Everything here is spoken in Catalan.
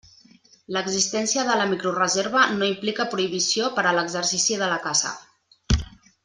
L'existència de la microreserva no implica prohibició per a l'exercici de la caça.